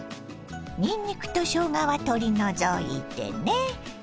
にんにくとしょうがは取り除いてね。